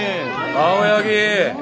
青柳。